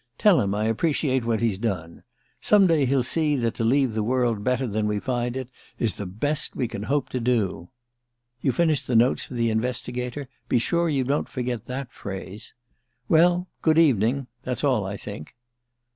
Tell him I appreciate what he's done. Some day he'll see that to leave the world better than we find it is the best we can hope to do. (You've finished the notes for the Investigator? Be sure you don't forget that phrase.) Well, good evening: that's all, I think."